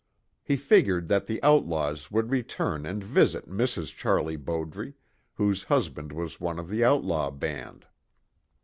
He figured that the outlaws would return and visit Mrs. Charlie Bowdre, whose husband was one of the outlaw band.